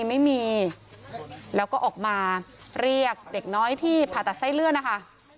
ไม่มีแล้วก็ออกมาเรียกเด็กน้อยที่ผ่าตัดไส้เลื่อนนะคะ